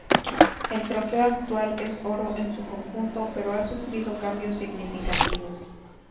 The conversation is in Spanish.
El trofeo actual es oro en su conjunto, pero ha sufrido cambios significativos.